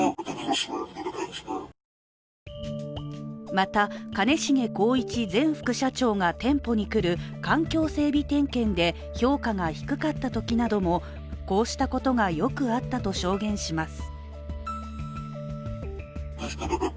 また、兼重宏一前副社長が店舗に来る環境整備点検で評価が低かったときなどもこうしたことがよくあったと証言します。